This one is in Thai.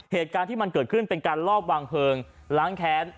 เหตุการณ์ที่มันเกิดขึ้นเป็นการลอบวางเพลิงล้างแค้น